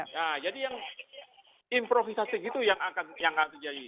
nah jadi yang improvisasi gitu yang nggak terjadi